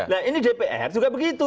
nah ini dpr juga begitu